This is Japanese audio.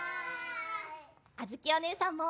あづきおねえさんも！